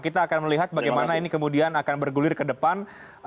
kita akan melihat bagaimana ini kemudian akan bergulir ke depan